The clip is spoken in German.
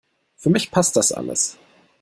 Für mich passt das alles.